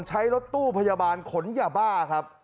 ใช้รถตู้พยาบาลขนยาบ้าครับ